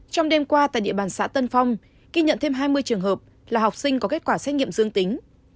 trong đêm qua tại địa bàn xã tân phong ghi nhận thêm hai mươi trường hợp là học sinh có kết quả xét nghiệm dương tính